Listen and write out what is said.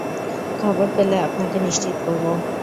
খবর পেলে আপনাকে নিশ্চিত করব।